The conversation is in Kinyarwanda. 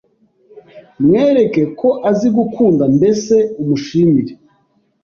mwereke ko azi gukunda mbese umushimire